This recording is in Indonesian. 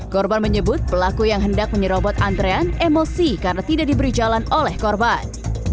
korban menyebut pelaku yang hendak menyerobot antrean emosi karena tidak diberi jalan oleh korban